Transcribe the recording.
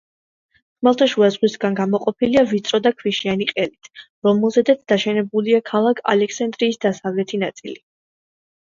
ხმელთაშუა ზღვისგან გამოყოფილია ვიწრო და ქვიშიანი ყელით, რომელზედაც დაშენებულია ქალაქ ალექსანდრიის დასავლეთი ნაწილი.